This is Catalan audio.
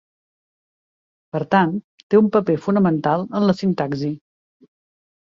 Per tant, té un paper fonamental en la sintaxi.